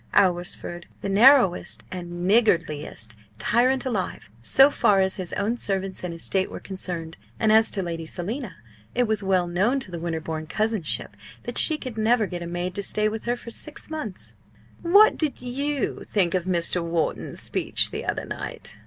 Alresford! the narrowest and niggardliest tyrant alive, so far as his own servants and estate were concerned. And as to Lady Selina, it was well known to the Winterbourne cousinship that she could never get a maid to stay with her six months. "What did you think of Mr. Wharton's speech the other night?"